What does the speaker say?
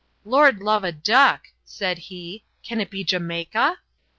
"Lord love a duck," said he, "can it be Jamaica?"